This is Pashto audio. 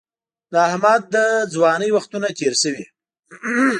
د احمد د ځوانۍ وختونه تېر شوي.